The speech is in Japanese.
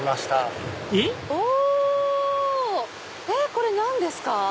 これ何ですか？